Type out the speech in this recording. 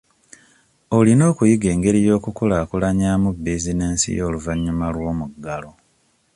Olina okuyiga engeri y'okukulaakulanyaamu bizinensi yo oluvannyuma lw'omuggalo.